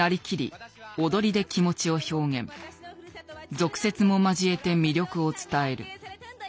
俗説も交えて魅力を伝える。